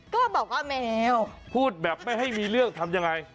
ก็บอกว่าแมวพูดแบบไม่ให้มีเรื่องทำยังไง